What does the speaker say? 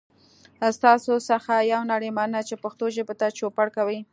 ستاسو څخه یوه نړۍ مننه چې پښتو ژبې ته چوپړ کوئ.